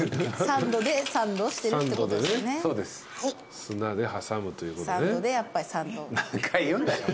砂で挟むということね。